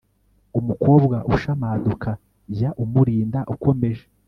umukobwa ushamaduka, jya umurinda ukomeje